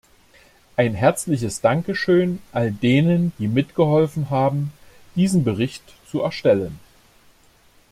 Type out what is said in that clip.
Ein herzliches Dankeschön all denen, die mitgeholfen haben, diesen Bericht zu erstellen.